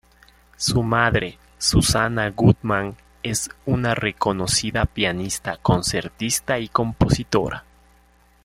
Su madre, Susana Gutman, es una reconocida pianista, concertista y compositora.